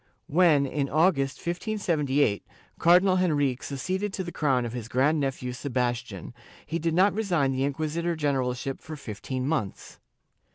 When, in August, 1578, Cardinal Henrique succeeded to the crown of his grand nephew Sebastian, he did not resign the inqui sitor generalship for fifteen months.